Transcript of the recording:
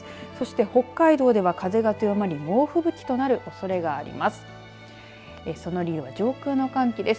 そして北海道では風が強まり猛吹雪となるおそれがあります。